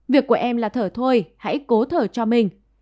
việc của em là thở thôi hãy cố thở cho mình